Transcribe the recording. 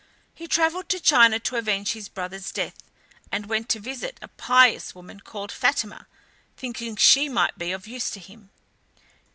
He travelled to China to avenge his brother's death, and went to visit a pious woman called Fatima, thinking she might be of use to him.